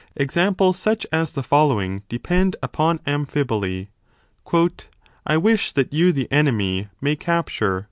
Examples such as the following depend upon amphiboly : I wish that you the enemy may capture.